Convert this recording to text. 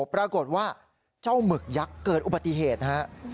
ปรากฏว่าเจ้าหมึกยักษ์เกิดอุบัติเหตุฮะ